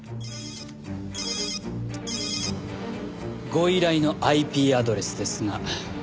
ご依頼のＩＰアドレスですが。